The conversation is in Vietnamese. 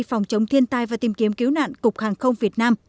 phòng chống thiên tai và tìm kiếm cứu nạn cục hàng không việt nam